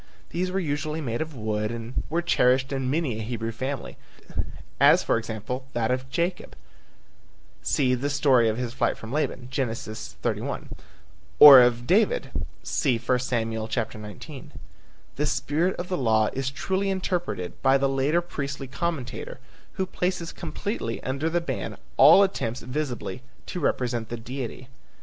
These were usually made of wood and were cherished in many a Hebrew family, as for example, that of Jacob (cf. the story of his flight from Laban, Gen. 31) or of David (I Sam. 19). The spirit of the law is truly interpreted by the later priestly commentator who places completely under the ban all attempts visibly to represent the Deity.